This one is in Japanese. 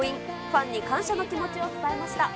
ファンに感謝の気持ちを伝えました。